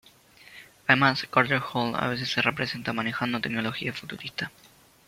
Además, Carter Hall a veces se representa manejando tecnología futurista.